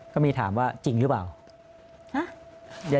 ก็มีถามว่าจริงหรือเปล่า